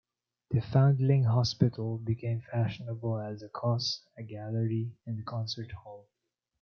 The Foundling Hospital became fashionable as a cause, a gallery and a concert hall.